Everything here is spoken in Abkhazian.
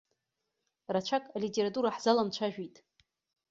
Рацәак алитература ҳзаламцәажәеит.